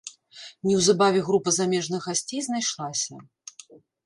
Неўзабаве група замежных гасцей знайшлася.